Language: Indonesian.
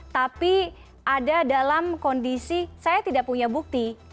tapi ada dalam kondisi saya tidak punya bukti